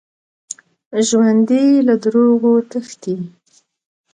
ژوندي له دروغو تښتي